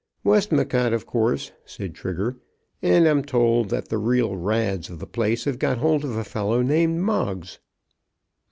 "Westmacott, of course," said Trigger, "and I'm told that the real Rads of the place have got hold of a fellow named Moggs."